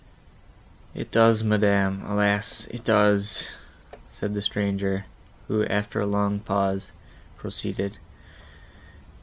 "It does, madam,—alas! it does!" said the stranger, who, after a long pause, proceeded.